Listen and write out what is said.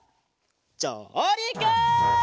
じょうりく！